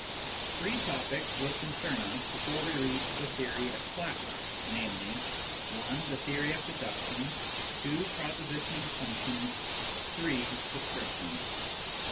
Three topics will concern us before we reach the theory of classes, namely : (i) the theory of deduction, (2) propositional functions, (3) descriptions.